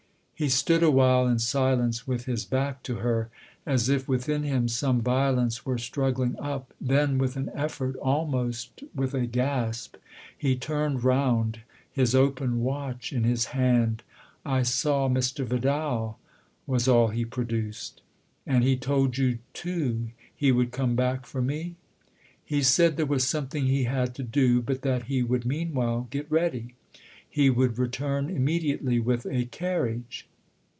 He stood awhile in silence with his back to her, as if within him some violence were struggling up ; then with an effort, almost with a gasp, he turned round, his open watch in his hand. " I saw Mr. Vidal," was all he produced. "And he told you too he would come back for me?" " He said there was something he had to do, but that he would meanwhile get ready. He would return immediately with a carriage."